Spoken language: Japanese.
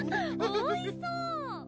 おいしそう。